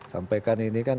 sampaikan ini kan